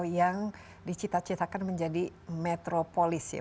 yang dicita citakan menjadi metropolis ya